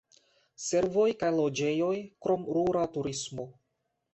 Servoj kaj loĝejoj, krom rura turismo.